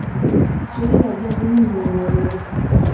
Soyez la bienvenue, mademoiselle.